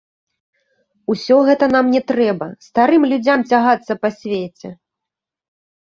Усё гэта нам не трэба, старым людзям цягацца па свеце!